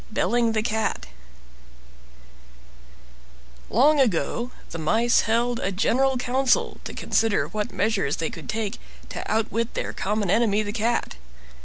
BELLING THE CAT Long ago, the mice held a general council to consider what measures they could take to outwit their common enemy, the Cat.